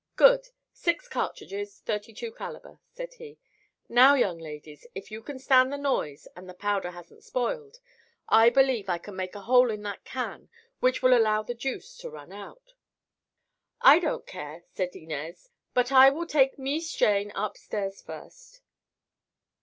"Good; six cartridges, 32 caliber," said he. "Now, young ladies, if you can stand the noise, and the powder hasn't spoiled, I believe I can make a hole in that can which will allow the juice to run out." "I don't care," said Inez, "but I will take Mees Jane upstairs, first."